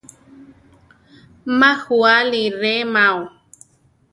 Má juáli re ma ao.